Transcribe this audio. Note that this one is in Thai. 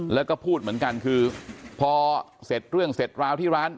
แล้วก็พูดเหมือนกันคือพอเสร็จเรื่องเสร็จราวที่ร้าน